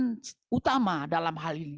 yang utama dalam hal ini